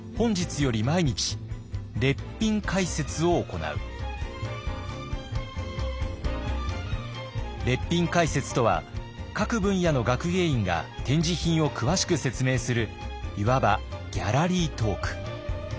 昭和十八年列品解説とは各分野の学芸員が展示品を詳しく説明するいわばギャラリートーク。